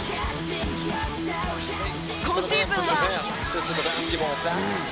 今シーズンは。